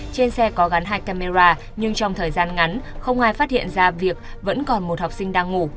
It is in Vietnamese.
trên xe có gắn hai camera nhưng trong thời gian ngắn không ai phát hiện ra việc vẫn còn một học sinh đang ngủ